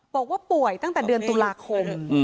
บอกว่าป่วยตั้งแต่เดือนตุลาคม